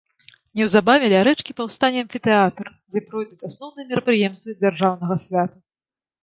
Неўзабаве ля рэчкі паўстане амфітэатр, дзе пройдуць асноўныя мерапрыемствы дзяржаўнага свята.